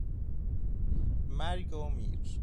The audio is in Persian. مرگ و میر